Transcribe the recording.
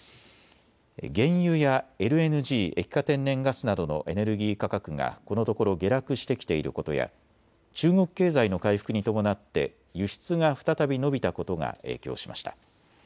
原油やＬＮＧ・液化天然ガスなどのエネルギー価格がこのところ下落してきていることや中国経済の回復に伴って輸出が再び伸びたことが影響しました。